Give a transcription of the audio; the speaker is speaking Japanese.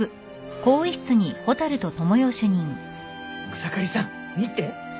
草刈さん見て。